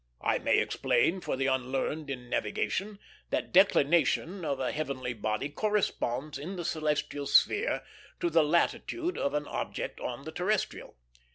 I may explain for the unlearned in navigation that declination of a heavenly body corresponds in the celestial sphere to the latitude of an object on the terrestrial.